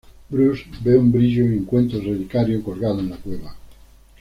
Bruce ve un brillo y encuentra el relicario colgado en la cueva.